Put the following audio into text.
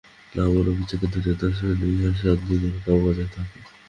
নাম ও রূপ ইচ্ছাকে ধরিয়া দাস করিলেও ইহার স্বাধীনতা বজায় থাকে।